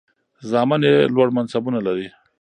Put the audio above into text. زامن یې لوړ منصبونه لري.